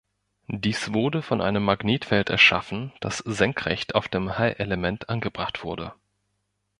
Dies wurde von einem Magnetfeld erschaffen, das senkrecht auf dem Hallelement angebracht wurde.